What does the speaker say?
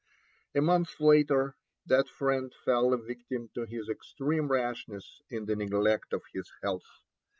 A month later that friend fell a victim to his extreme rashness in the neglect of his health.